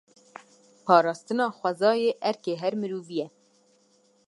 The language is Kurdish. Parastina xwezayê erkê her mirovî ye.